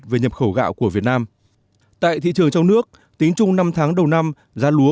về nhập khẩu gạo của việt nam tại thị trường trong nước tính chung năm tháng đầu năm giá lúa